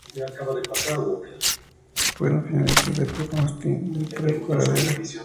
Fueron finalistas del Pre-Cosquín y del Pre-Baradero.